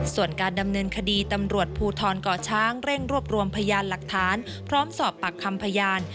ส่วนการดำเนินคดีตำรวจภูทรก่อช้างเร่งรวบรวมพยานหลักฐานพร้อมสอบปากคำพยาน